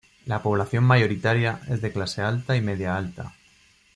La población mayoritaria es de clase alta y media alta.